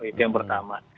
itu yang pertama